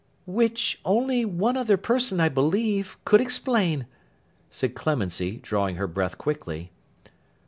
'Which only one other person, I believe, could explain,' said Clemency, drawing her breath quickly.